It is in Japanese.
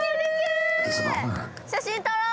写真撮ろう！